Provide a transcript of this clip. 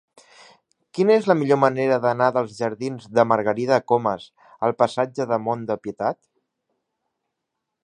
Quina és la millor manera d'anar dels jardins de Margarida Comas al passatge del Mont de Pietat?